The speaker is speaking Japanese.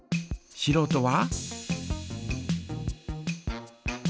しろうとは？